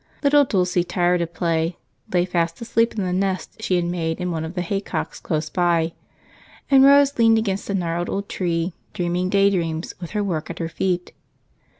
Little Dulce, tired of play, lay fast asleep in the nest she had made in one of the haycocks close by, and Rose leaned against the gnarled old tree, dreaming daydreams with her work at her feet.